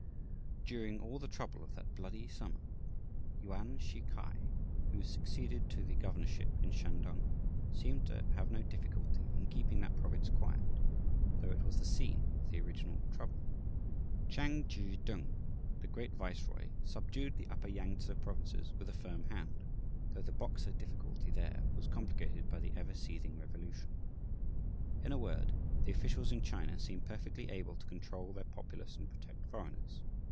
During all the trouble of that bloody summer, Yuan Shi K'ai, who succeeded to the governorship in Shantung, seemed to have no difficulty in keeping that province quiet, though it was the scene of the original trouble. Chang Chi Tung, "the great viceroy," subdued the Upper Yangtse provinces with a firm hand, though the Boxer difficulty there was complicated by the ever seething revolution. In a word, the officials in China seem perfectly able to control their populace and protect foreigners.